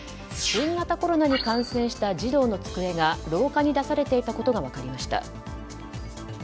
新型コロナに感染した児童の机が廊下に出されていたことが分かりました。